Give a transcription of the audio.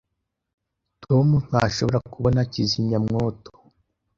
Tom ntashobora kubona kizimyamwoto.